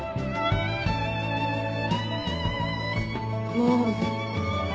もう。